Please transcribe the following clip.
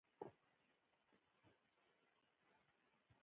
شېخ بُستان په قوم بړیڅ وو.